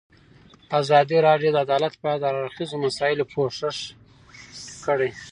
ازادي راډیو د عدالت په اړه د هر اړخیزو مسایلو پوښښ کړی.